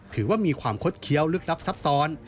ถือว่ามีความคดเคี้ยวลึกลับซับซ้อน